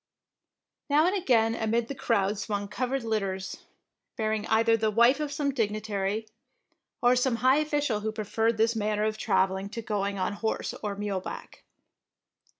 Now and again amid the crowd 68 THE PKINCESS WINS swung covered litters, bearing either the wife of some dignitary, or some high official who preferred this manner of travelling to going on horse or mule back.